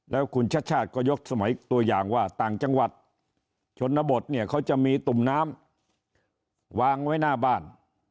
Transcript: แล้วคุณชัชชาติก็ยกสมัยตัวอย่างว่าต่างจังหวัดชนบทเนี่ยเขาจะมีตุ่มน้ำวางไว้หน้าบ้าน